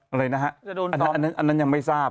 อะไรนะฮะอันนั้นยังไม่ทราบ